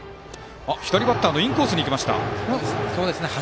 左バッターのインコースに来ました。